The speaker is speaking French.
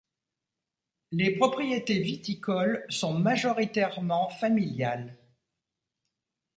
Les propriétés viticoles sont majoritairement familiales.